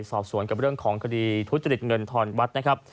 สอบสวนกับเรื่องของคดีทุจริตเงินทอนวัดนะครับ